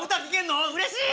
うれしい！